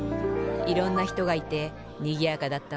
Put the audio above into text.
いろんなひとがいてにぎやかだったわ。